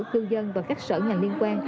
cư dân và các sở nhà liên quan